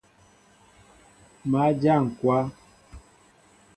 Má dyá ŋkwă.